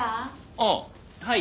あっはい。